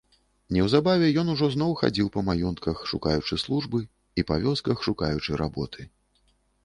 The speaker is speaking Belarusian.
Неўзабаве ён ужо зноў хадзіў па маёнтках, шукаючы службы, і па вёсках, шукаючы работы.